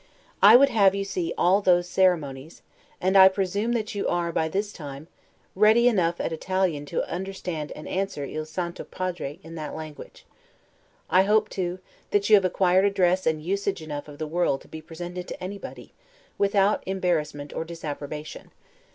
I would have you see all those ceremonies; and I presume that you are, by this time, ready enough at Italian to understand and answer 'il Santo Padre' in that language. I hope, too, that you have acquired address and usage enough of the world to be presented to anybody, without embarrassment or disapprobation.